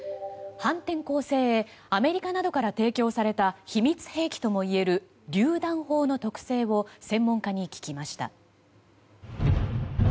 反転攻勢へアメリカなどから提供された秘密兵器ともいえるりゅう弾砲の特性を専門家に聞きました。